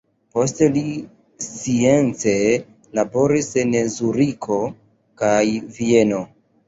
Poste li science laboris en Zuriko kaj Vieno.